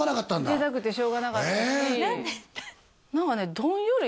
出たくてしょうがなかったし何かね